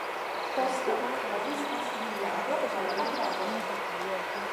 Poste okazis asimilado al Adrado.